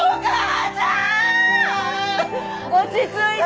落ち着いて！